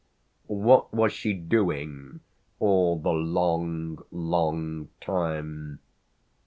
"What was she doing all the long, long time?"